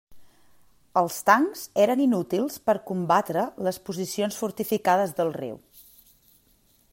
Els tancs eren inútils per combatre les posicions fortificades del riu.